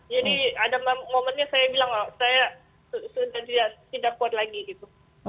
jadi ada momennya saya bilang saya sudah tidak kuat lagi gitu